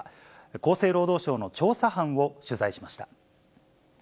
厚生労働省の調査班を取材しました。